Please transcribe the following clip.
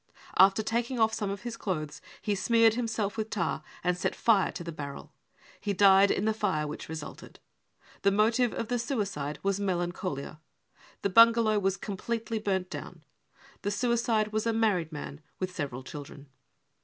After taking off some of his clothes, he smeared himself with tar and set fire to the barrel. He died in the fire which resulted. The motive of the suicide was melancholia. The bungalow was completely burnt down. The suicide was a married man with several children."